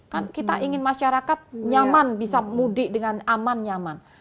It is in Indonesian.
kan kita ingin masyarakat nyaman bisa mudik dengan aman nyaman